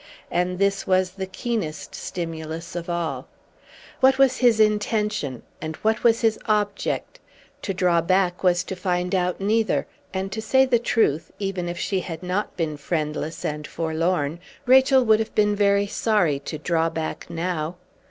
And this was the keenest stimulus of all. What was his intention, and what his object? To draw back was to find out neither; and to say the truth, even if she had not been friendless and forlorn, Rachel would have been very sorry to draw back now.